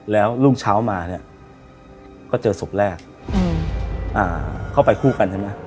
แล้วรุ่งเช้ามาเนี่ยก็เจอศพแรกเข้าไปคู่กันใช่ไหม